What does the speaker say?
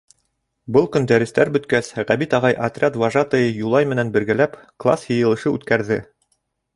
Был көн дәрестәр бөткәс, Ғәбит ағай, отряд вожатыйы Юлай менән бергәләп, класс йыйылышы үткәрҙе.